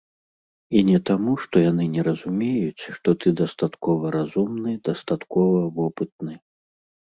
І не таму, што яны не разумеюць, што ты дастаткова разумны, дастаткова вопытны.